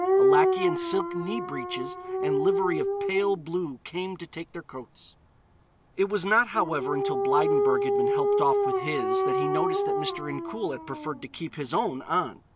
A lackey in silk knee breeches and livery of pale blue came to take their coats. It was not, however, until Blydenburg had been helped off with his that he noticed that Mr. Incoul had preferred to keep his own on.